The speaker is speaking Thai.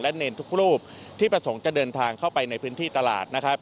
เนรทุกรูปที่ประสงค์จะเดินทางเข้าไปในพื้นที่ตลาดนะครับ